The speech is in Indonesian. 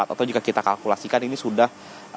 atau jika kita kalkulasikan ini sudah